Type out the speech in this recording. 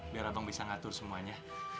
biar abang bisa ngatur semuanya